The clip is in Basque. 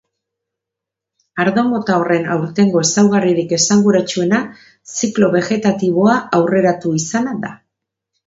Ardo mota horren aurtengo ezaugarririk esanguratsuena ziklo begetatiboa aurreratu izana da.